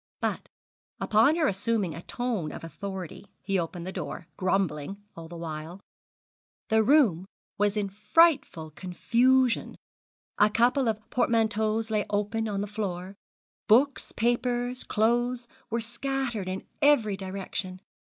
But, upon her assuming a tone of authority, he opened the door, grumbling all the while. The room was in frightful confusion a couple of portmanteaux lay open on the floor; books, papers, clothes, were scattered in every direction.